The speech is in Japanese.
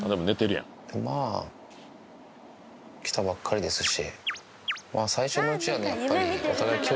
まぁ来たばっかりですし。